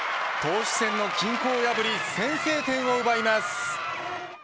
投手戦の均衡を破り先制点を奪います。